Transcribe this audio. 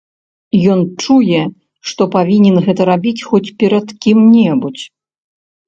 Ён чуе, што павінен гэта рабіць хоць перад кім-небудзь.